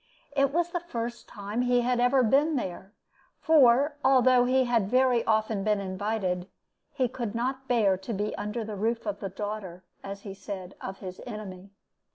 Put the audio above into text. It was the first time he had ever been there; for although he had very often been invited, he could not bear to be under the roof of the daughter, as he said, of his enemy.